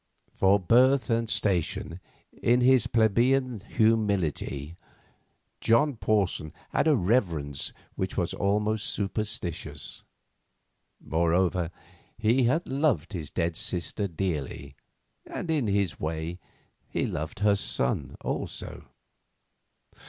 For birth and station, in his plebeian humility, John Porson had a reverence which was almost superstitious. Moreover, he had loved his dead sister dearly, and, in his way, he loved her son also.